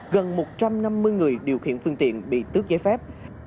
trong đó có gần một trăm năm mươi người điều khiển phương tiện bị tước giấy phép